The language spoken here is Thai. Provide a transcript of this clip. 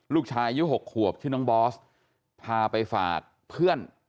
ลูกชายอายุ๖ขวบชื่อน้องบอสพาไปฝากเพื่อน